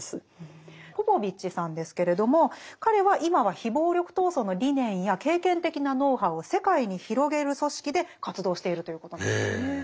ポポヴィッチさんですけれども彼は今は非暴力闘争の理念や経験的なノウハウを世界に広げる組織で活動しているということなんですね。へ。